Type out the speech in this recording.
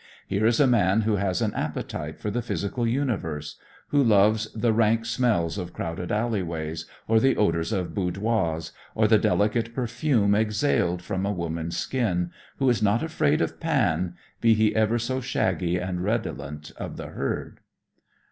Here is a man who has an appetite for the physical universe, who loves the rank smells of crowded alley ways, or the odors of boudoirs, or the delicate perfume exhaled from a woman's skin; who is not afraid of Pan, be he ever so shaggy, and redolent of the herd.